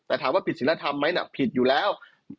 แต่ถามว่าผิดศิลธรรมไหมน่ะผิดอยู่แล้ว